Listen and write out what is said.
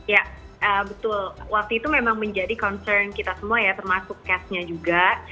ya betul waktu itu memang menjadi concern kita semua ya termasuk cashnya juga